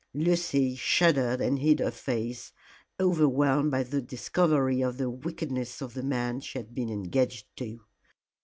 Lucy shuddered and hid her face, overwhelmed by the discovery of the wickedness of the man she had been engaged to.